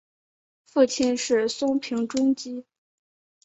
父亲是松平忠吉。